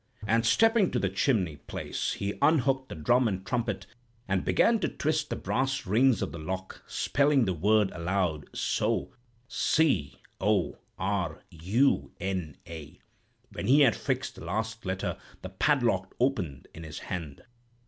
And stepping to the chimney place, he unhooked the drum and trumpet, and began to twist the brass rings of the lock, spelling the word aloud, so—'C O R U N A.' When he had fixed the last letter, the padlock opened in his hand.